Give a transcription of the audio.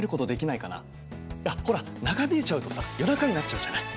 いやほら長引いちゃうとさ夜中になっちゃうじゃない。